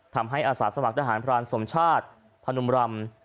ทำให้อาศาสตร์สมัครทหารพรานสมชาติพนุมรำ